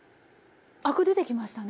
アク出てきましたね。